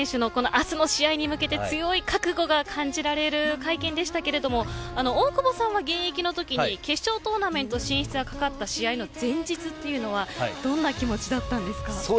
明日の試合に向けて強い覚悟が感じられる会見でしたけれど大久保さんは現役のときに決勝トーナメント進出がかかった試合の前日というのはどんな気持ちだったんですか。